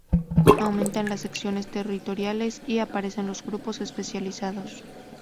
Aumentan las secciones territoriales y aparecen los grupos especializados.